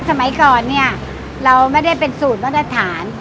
สมัยก่อนเนี่ยเราไม่ได้เป็นสูตรมาตรฐาน